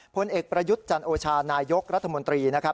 ผลเอกประยุทธ์จันโอชานายกรัฐมนตรีนะครับ